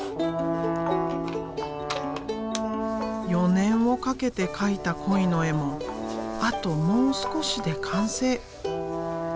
４年をかけて描いた鯉の絵もあともう少しで完成。